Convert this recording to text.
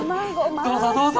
どうぞどうぞ！